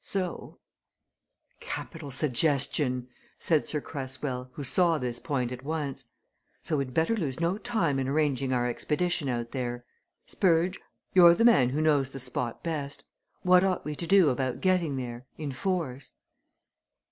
So " "Capital suggestion!" said Sir Cresswell, who saw this point at once. "So we'd better lose no time in arranging our expedition out there. Spurge you're the man who knows the spot best what ought we to do about getting there in force?"